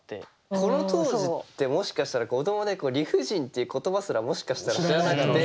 この当時ってもしかしたら子どもで「理不尽」っていう言葉すらもしかしたら知らなくて。